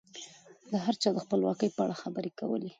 هر چا د خپلواکۍ په اړه خبرې کولې.